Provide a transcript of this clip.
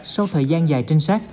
sau thời gian dài trinh sát